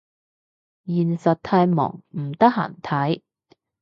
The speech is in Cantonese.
現實太忙唔得閒睇